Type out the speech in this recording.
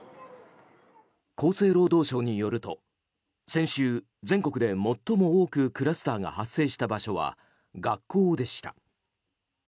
厚生労働省によると先週、全国で最も多くクラスターが発生した場所は学校でした。